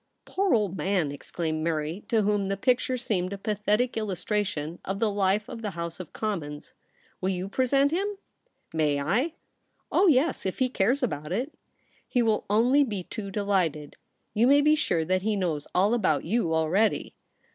* Poor old man !' exclaimed Mary, to whom the picture seemed a pathetic illustration of the life of the House of Commons. 'Will you present him ?^ 'May I.?' ' Oh yes ; if he cares about it.' * He will only be too delighted. You may be sure that he knows all about you already.'